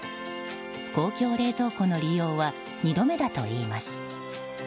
公共冷蔵庫の利用は２度目だといいます。